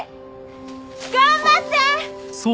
頑張って！